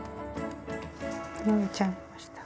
縫えちゃいました。